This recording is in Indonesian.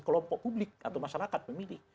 kelompok publik atau masyarakat pemilih